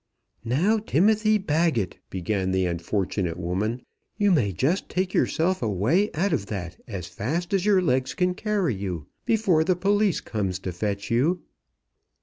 "Now, Timothy Baggett," began the unfortunate woman, "you may just take yourself away out of that, as fast as your legs can carry you, before the police comes to fetch you."